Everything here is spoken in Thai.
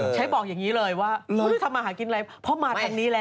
ใช้บอกอย่างนี้เลยว่าไม่ได้ทำอาหารกินอะไรเพราะมาทางนี้แล้ว